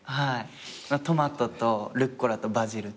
トマトとルッコラとバジルと。